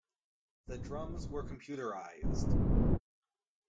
The drums were computerised.